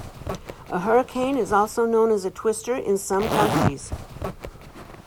A hurricane is also known as a twister in some countries.